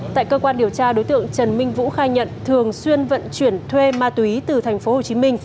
tại cơ quan điều tra đối tượng trần minh vũ khai nhận thường xuyên vận chuyển thuê ma túy từ tp hcm